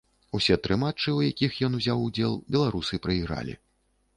Усе тры матчы, у якіх ён узяў удзел, беларусы прайгралі.